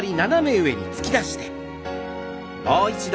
もう一度。